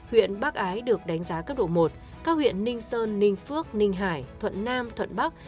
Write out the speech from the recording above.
huyện bắc ái được đánh giá cấp độ một các huyện ninh sơn ninh phước ninh hải thuận nam thuận bắc